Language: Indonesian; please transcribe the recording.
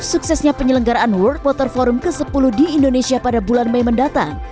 suksesnya penyelenggaraan world water forum ke sepuluh di indonesia pada bulan mei mendatang